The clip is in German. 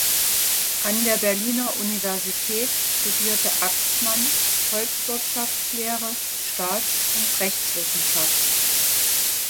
An der Berliner Universität studierte Axmann Volkswirtschaftslehre, Staats- und Rechtswissenschaft.